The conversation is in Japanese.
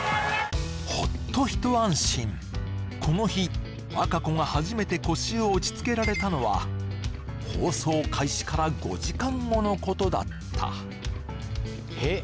ホッとひと安心この日和歌子が初めて腰を落ち着けられたのは放送開始から５時間後のことだったへっ？